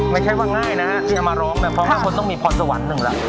ไม่ใช่ฟังง่ายนะฮะที่จะมาร้องเนี่ยพร้อมให้คนต้องมีพรสวรรค์หนึ่งละ